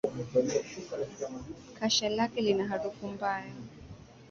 Kasha lake lina harufu mbaya